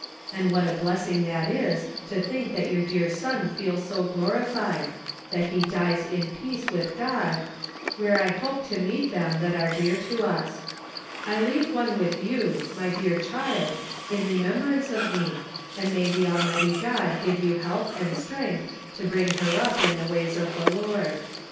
And what a blessing that is to think that your dear son feels so glorified that he dies in peace with God, where I hope to meet them that are dear to us. I leave one with you, my dear child, in remembrance of me, and may the Almighty God give you health and strength to bring her up in the ways of the Lord.